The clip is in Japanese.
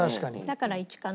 だから１かな。